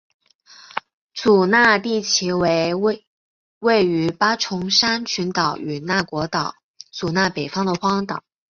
祖纳地崎为一位于八重山群岛与那国岛祖纳北方的荒岛。